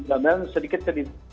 mudah mudahan sedikit demi sedikit